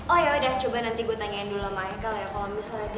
oh yaudah coba nanti gue tanyain dulu sama haikal ya